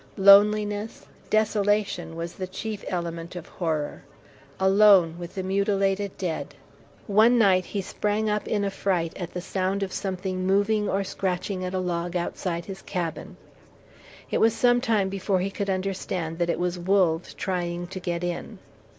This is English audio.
Loneliness, desolation was the chief element of horror. Alone with the mutilated dead! One night he sprang up in affright at the sound of something moving or scratching at a log outside his cabin. It was some time before he could understand that it was wolves trying to get in.